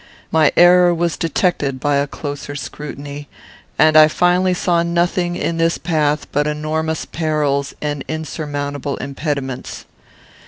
My error was detected by a closer scrutiny, and I finally saw nothing in this path but enormous perils and insurmountable impediments.